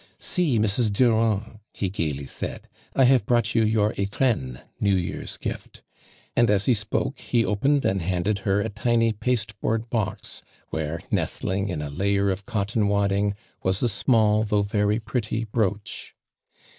"See, Mrs. Durand,'' he gaily said, ' I have brought you your ^/re/tHes" (New Year's gift) and as he spoke, he opened and hand ed her a tiny pasteboard box, where, nestling in a layer of cotton wadding, was a small though very pretty brooch.